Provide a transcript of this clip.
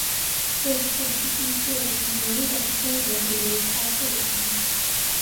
这是第一个圆拱风格的犹太会堂。